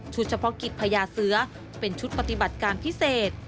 เฉพาะกิจพญาเสือเป็นชุดปฏิบัติการพิเศษ